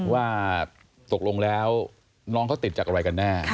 ว่าตกลงแล้วน้องเขาติดจากอะไรกันแน่